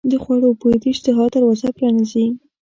د خوړو بوی د اشتها دروازه پرانیزي.